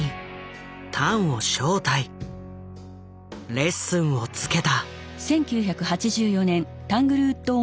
レッスンをつけた。